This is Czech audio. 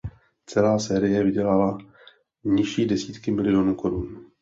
Celá série vydělala nižší desítky milionů korun.